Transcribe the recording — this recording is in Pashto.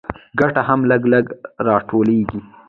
ګټه هم لږ لږ راټولېږي